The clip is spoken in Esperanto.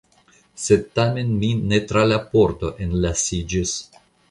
Sed tamen mi ne tra la pordo enlasiĝis.